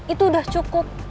itu udah cukup